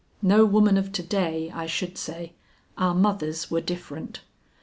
No woman of to day, I should say; our mothers were different.